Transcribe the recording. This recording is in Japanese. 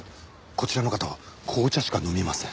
こちらの方は紅茶しか飲みません。